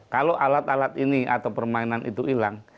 kalau alat alat ini atau permainan itu hilang